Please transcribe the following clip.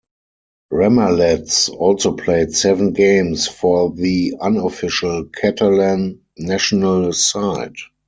Ramallets also played seven games for the unofficial Catalan national side.